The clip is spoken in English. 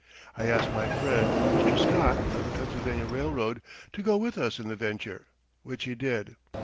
I asked my friend, Mr. Scott, of the Pennsylvania Railroad, to go with us in the venture, which he did.